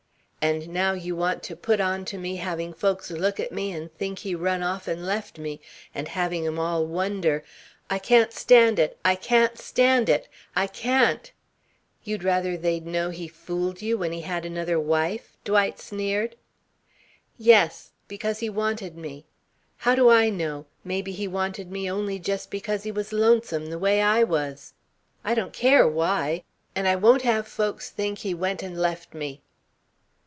And now you want to put on to me having folks look at me and think he run off and left me, and having 'em all wonder.... I can't stand it. I can't stand it. I can't...." "You'd rather they'd know he fooled you, when he had another wife?" Dwight sneered. "Yes! Because he wanted me. How do I know maybe he wanted me only just because he was lonesome, the way I was. I don't care why! And I won't have folks think he went and left me."